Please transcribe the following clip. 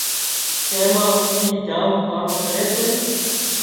تيمان اي جام ڪام ڪري سي